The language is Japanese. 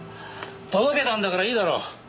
届けたんだからいいだろ？